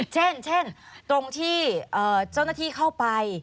เช่นตรงที่เจ้าหน้าที่เข้าไป